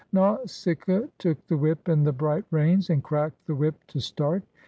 Nausi 25 GREECE caa took the whip and the bright reins, and cracked the whip to start.